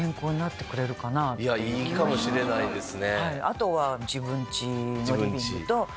いやいいかもしれないですね。